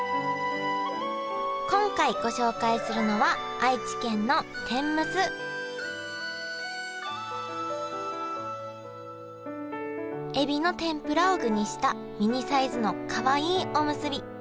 今回ご紹介するのはエビの天ぷらを具にしたミニサイズのかわいいおむすび。